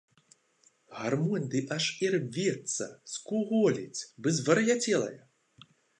Гармонь дык аж ірвецца, скуголіць, бы звар'яцелая.